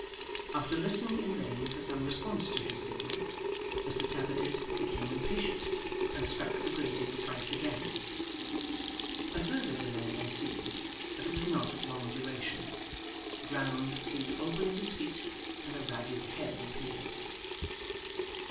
After listening in vain for some response to his signal, Mr Tappertit became impatient, and struck the grating thrice again. A further delay ensued, but it was not of long duration. The ground seemed to open at his feet, and a ragged head appeared.